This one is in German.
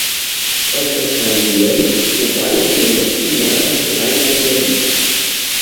Es erscheint jährlich, wobei es in den letzten Jahren drei Bände umfasst.